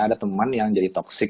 ada teman yang jadi toxic